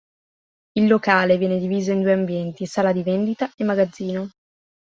Il locale venne diviso in due ambienti: sala di vendita e magazzino.